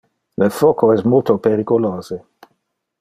Le foco es multo periculose.